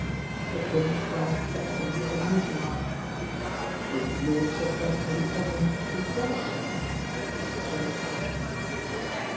The Prince glanced back at him with amusement. "His lordship does me the honour to be jealous of me," he said to himself.